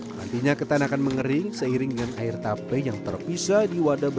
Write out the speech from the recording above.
nantinya ketan akan mengering seiring dengan air tape yang terpisah di warna putih